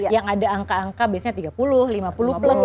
yang ada angka angka biasanya tiga puluh lima puluh plus